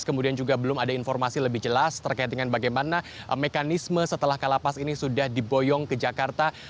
kemudian juga belum ada informasi lebih jelas terkait dengan bagaimana mekanisme setelah kalapas ini sudah diboyong ke jakarta